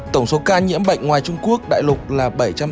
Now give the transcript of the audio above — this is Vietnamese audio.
tổng số ca nhiễm bệnh ngoài trung quốc đại lục là bảy trăm tám mươi một